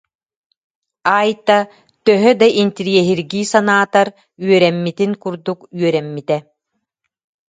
Айта, төһө да интэриэһиргии санаатар, үөрэммитин курдук үөрэммитэ